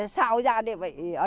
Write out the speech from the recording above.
sao ra để vậy